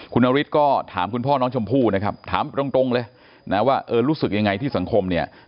คุณนฤทธิ์ก็ถามคุณพ่อน้องชมพู่นะครับถามตรงเลยนะว่าเออรู้สึกยังไงที่สังคมเนี่ย